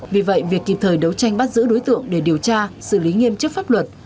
vì vậy việc kịp thời đấu tranh bắt giữ đối tượng để điều tra xử lý nghiêm chức pháp luật